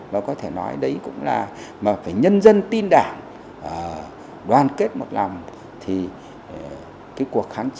và có thể nói đấy cũng là mà phải nhân dân tin đảng đoàn kết một lòng